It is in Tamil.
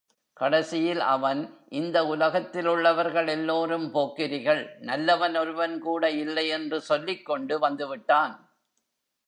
கடைசியில் அவன், இந்த உலகத்திலுள்ளவர்கள் எல்லோரும் போக்கிரிகள், நல்லவன் ஒருவன்கூட இல்லை என்று சொல்லிக் கொண்டு வந்துவிட்டான்.